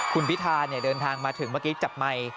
คุณพิธาเดินทางมาถึงเมื่อกี้จับไมค์